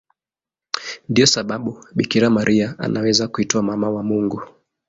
Ndiyo sababu Bikira Maria anaweza kuitwa Mama wa Mungu.